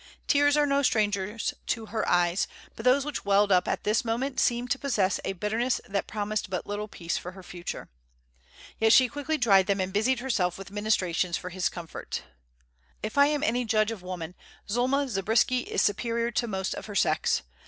Tears are no strangers to her eyes, but those which welled up at this moment seemed to possess a bitterness that promised but little peace for her future. Yet she quickly dried them and busied herself with ministrations for his comfort. If I am any judge of woman, Zulma Zabriskie is superior to most of her sex.